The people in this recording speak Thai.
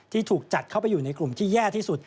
ถูกจัดเข้าไปอยู่ในกลุ่มที่แย่ที่สุด